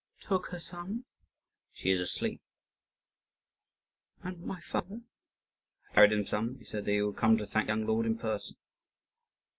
you took her some?" "She is asleep." "And my father?" "I carried him some; he said that he would come to thank the young lord in person."